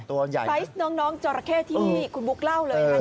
ไพรส์น้องจอระเข้ที่คุณบุ๊คเล่าเลย